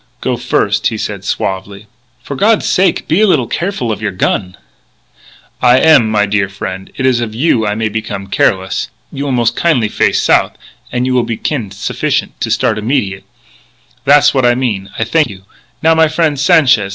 "Go first," he said suavely. "For God's sake, be a little careful of your gun " "I am, my dear frien'. It is of you I may become careless. You will mos' kin'ly face south, and you will be kin' sufficient to start immediate. Tha's what I mean.... I thank you.... Now, my frien', Sanchez!